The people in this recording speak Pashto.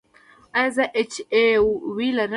ایا زه ایچ آی وي لرم؟